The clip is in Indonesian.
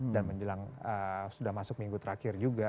dan sudah masuk minggu terakhir juga